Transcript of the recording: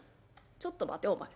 「ちょっと待てお前。